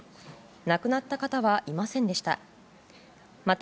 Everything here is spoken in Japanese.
亡くなった方はいませんでした。